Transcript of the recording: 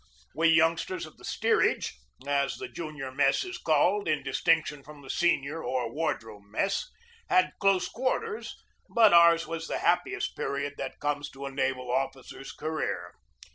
We youngsters of the " steerage," as the junior mess is called in distinction from the senior or wardroom mess, had close quarters, but ours was the happiest period that comes to a naval officer's career.